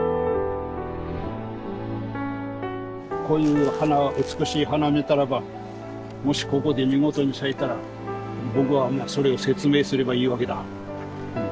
こういう花美しい花見たらばもしここで見事に咲いたら僕はそれを説明すればいいわけだ。